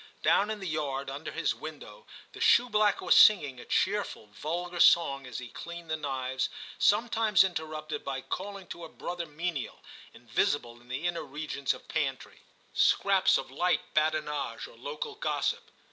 Down in the yard under his window the shoeblack was singing a cheer ful vulgar song as he cleaned the knives, sometimes interrupted by calling to a brother menial, invisible in the inner regions of pantry, scraps of light badinage or local gossip.